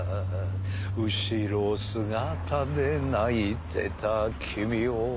「うしろ姿で泣いてた君を」